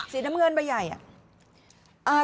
สีน้ำเงินใบใหญ่อะ